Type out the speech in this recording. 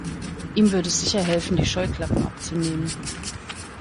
Ihm würde es sicher helfen, die Scheuklappen abzunehmen.